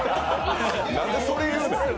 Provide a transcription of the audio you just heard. なんでそれ言うねん。